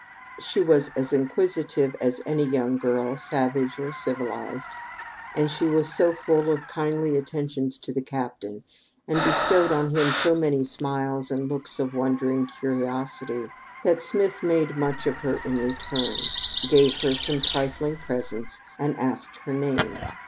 She was as inquisitive as any young girl, savage or civilized, and she was so full of kindly attentions to the captain, and bestowed on him so many smiles and looks of wondering curiosity, that Smith made much of her in return, gave her some trifling presents and asked her name.